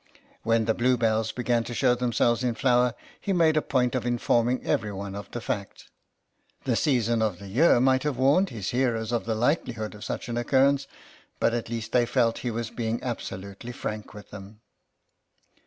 When the blue bells began to show themselves in flower he made a point of informing every one of the fact ; the season of the year might have warned his hearers of the likelihood of such an occur rence, but at least they felt that he was being absolutely frank with them.